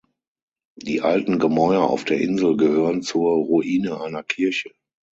Die alten Gemäuer auf der Insel gehören zur Ruine einer Kirche.